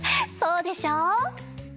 そうでしょ？